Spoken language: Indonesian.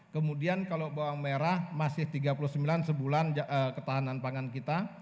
kemudian kalau bawang merah masih tiga puluh sembilan sebulan ketahanan pangan kita